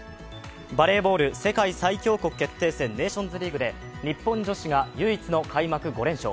バレーボール世界最強国決定戦、ネーションズリーグで日本女子が唯一の開幕５連勝。